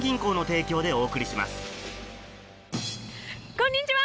こんにちは！